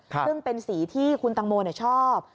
ซึ่งเป็นสีที่คุณตังโมชอบ